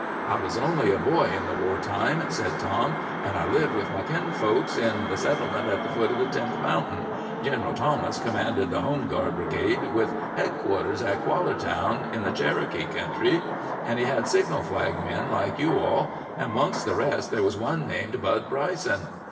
"I was only a boy in the war time," said Tom, "and I lived with my kin folks in a settlement at the foot of the tenth mountain. Gineral Thomas commanded the Home Guard brigade, with headquarters at Quallatown, in the Cherokee kentry, and he had signal flag men like you all, and 'mongst the rest there was one named Bud Bryson.